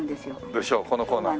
でしょうこのコーナー。